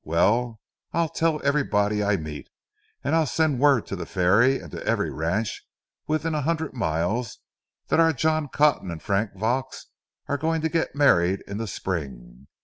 Well, I'll tell everybody I meet, and I'll send word to the ferry and to every ranch within a hundred miles, that our John Cotton and Frank Vaux are going to get married in the spring.